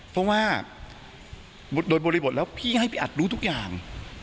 เพราะว่าโดยบริบทแล้วพี่ให้พี่อัดรู้ทุกอย่าง